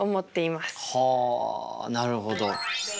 はあなるほど。